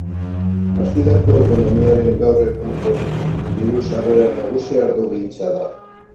Bastidako ekonomiaren gaur egungo diru-sarrera nagusia ardogintza da.